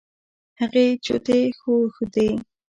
هغې چوټې ښودې.